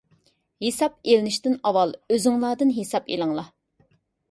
ھېساب ئېلىنىشتىن ئاۋۋال ئۆزۈڭلاردىن ھېساب ئېلىڭلار.